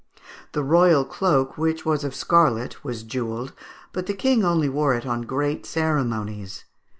The royal cloak, which was of scarlet, was jewelled, but the King only wore it on great ceremonies.